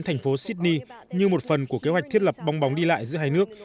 thành phố sydney như một phần của kế hoạch thiết lập bong bóng đi lại giữa hai nước